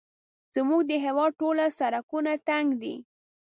زموږ د هېواد ټوله سړکونه تنګ دي